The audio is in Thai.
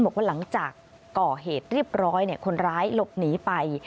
บอกว่าหลังจากก่อเหตุเรียบร้อยคนร้ายหลบหนีไป